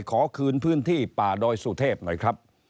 ขอคืนพื้นที่ป่าดอยสุเทพหน่อยครับ